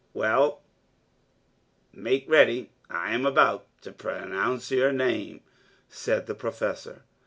.......... "Well, make ready, I am about to pronounce your name," said the Professor.